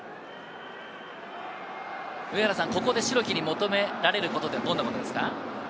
ここで代木に求められることはどんなことですか？